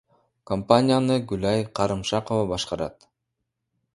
Компанияны Гүлай Карымшакова башкарат.